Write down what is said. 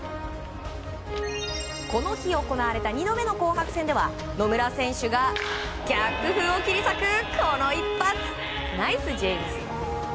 この日行われた２度目の紅白戦では野村選手が逆風を切り裂くこの一発！